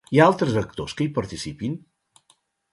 Hi ha altres actors que hi participin?